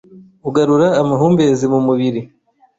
Ugarura amahumbezi mu mubiri,